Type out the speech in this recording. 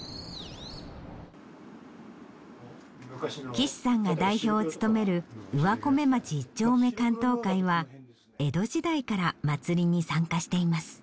貴志さんが代表を務める上米町一丁目竿燈会は江戸時代からまつりに参加しています。